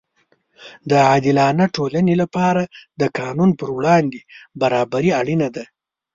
د عادلانه ټولنې لپاره د قانون پر وړاندې برابري اړینه ده.